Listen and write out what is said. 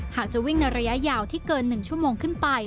หากจะวิ่งในระยะยาวที่เกิน๑ชั่วโมงขึ้นไป